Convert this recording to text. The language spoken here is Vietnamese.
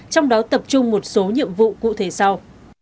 trong đó tập trung một số nhiệm vụ cụ thể sau